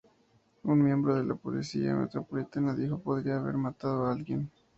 Un miembro de la Policía Metropolitana dijo "Podría haber matado a alguien.